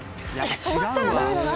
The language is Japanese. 止まったらダメだな。